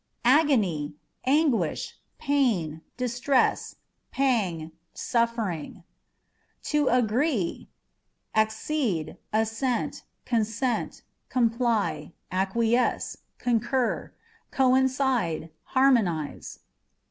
Agony â€" anguish, pain, distress, pang, suffering. To Agree â€" accede, assent, consent, comply, acquiesce, concur, coincide, harmonise.